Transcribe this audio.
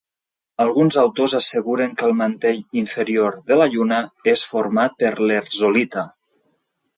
Alguns autors asseguren que el mantell inferior de la Lluna és format per lherzolita.